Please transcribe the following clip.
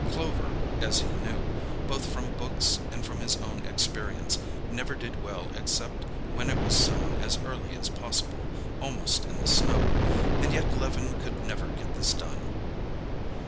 Clover, as he knew, both from books and from his own experience, never did well except when it was sown as early as possible, almost in the snow. And yet Levin could never get this done.